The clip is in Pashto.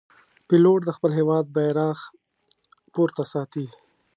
پیلوټ د خپل هېواد بیرغ پورته ساتي.